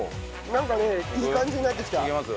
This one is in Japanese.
なんかねいい感じになってきた。